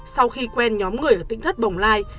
sau khi quen nhóm người ở tinh thất bồng lai